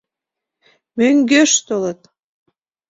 Мӧҥгеш толыт!